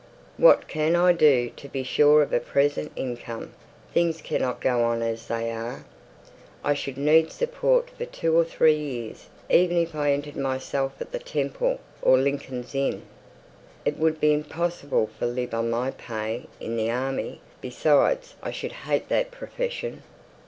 "What can I do to be sure of a present income? Things cannot go on as they are. I should need support for two or three years, even if I entered myself at the Temple, or Lincoln's Inn. It would be impossible to live on my pay in the army; besides, I should hate that profession.